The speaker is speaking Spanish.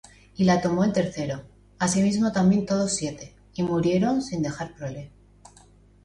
Y la tomó el tercero: asimismo también todos siete: y muerieron sin dejar prole.